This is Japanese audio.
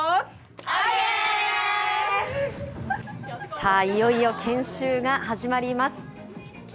さあ、いよいよ研修が始まります。